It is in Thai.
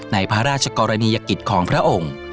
ในพระราชกรณียกิจของพระองค์